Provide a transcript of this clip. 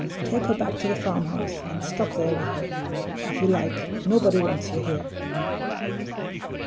Take her back to the farmhouse, and stop there with her, if you like; nobody wants you here!"